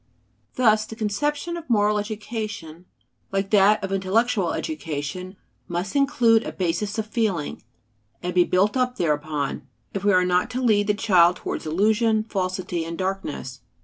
Thus the conception of moral education, like that of intellectual education, must include a basis of feeling, and be built up thereupon, if we are not to lead the child towards illusion, falsity and darkness.